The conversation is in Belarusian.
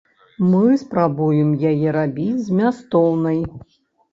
Мы спрабуем яе рабіць змястоўнай.